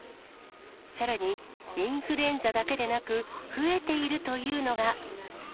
さらに、インフルエンザだけでなく、増えているというのが。